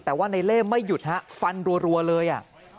แต่ว่าในเล่ไม่หยุดฮะฟันรัวเลย